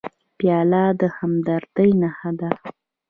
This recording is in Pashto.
پیاله د همدردۍ نښه ده.